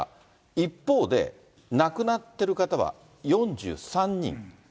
一方で、亡くなってる方は４３人。